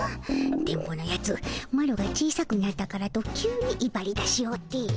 電ボのやつマロが小さくなったからと急にいばりだしおって。